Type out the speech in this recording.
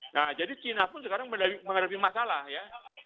nah jadi china pun sekarang menghadapi masalah ya